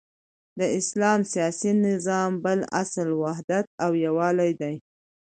د اسلام سیاسی نظام بل اصل وحدت او یوالی دی،